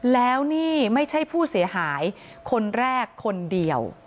แล้วนี่ไม่ใช่ผู้เสียหายคนแรกคนเดียว